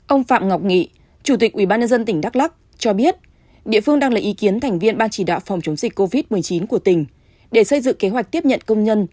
ông phạm ngọc nghị chủ tịch ubnd tỉnh đắk lắc cho biết địa phương đang lấy ý kiến thành viên ban chỉ đạo phòng chống dịch covid một mươi chín của tỉnh để xây dựng kế hoạch tiếp nhận công nhân